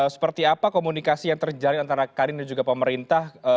seperti apa komunikasi yang terjadi antara kadin dan juga pemerintah